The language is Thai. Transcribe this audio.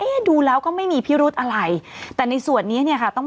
ดูแล้วก็ไม่มีพิรุธอะไรแต่ในส่วนนี้เนี่ยค่ะต้อง